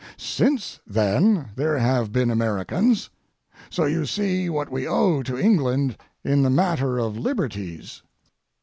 Since then, there have been Americans. So you see what we owe to England in the matter of liberties.